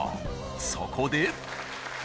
そこで。